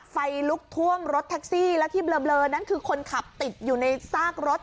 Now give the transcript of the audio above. ไฟลุกท่วมรถแท็กซี่แล้วที่เบลอนั้นคือคนขับติดอยู่ในซากรถ